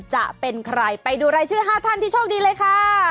จะเป็นใครไปดูรายชื่อ๕ท่านที่โชคดีเลยค่ะ